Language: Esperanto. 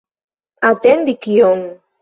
Atendi kion?